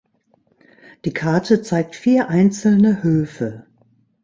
Die Karte zeigt vier einzelne Höfe.